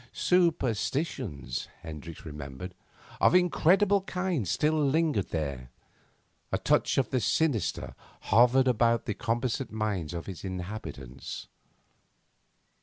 Superstitions, Hendricks remembered, of incredible kind still lingered there; a touch of the sinister hovered about the composite mind of its inhabitants.